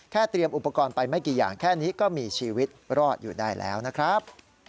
เตรียมอุปกรณ์ไปไม่กี่อย่างแค่นี้ก็มีชีวิตรอดอยู่ได้แล้วนะครับ